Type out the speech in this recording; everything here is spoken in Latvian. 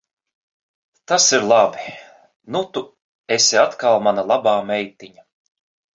Tas ir labi. Nu tu esi atkal mana labā meitiņa.